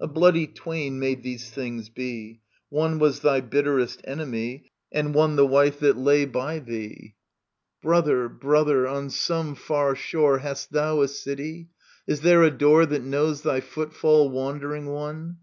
A bloody twain made these things be ; One was thy bitterest enemy, And one the wife that lay by thee. Brother, brother, on some far shore [Antistrophe i. Hast thou a city, is there a door That knows thy footfall. Wandering One